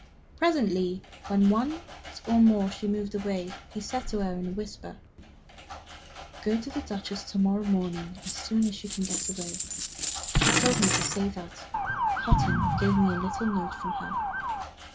Presently, when once more she moved away, he said to her, in a whisper: "Go to the Duchess to morrow morning, as soon as you can get away. She told me to say that Hutton gave me a little note from her.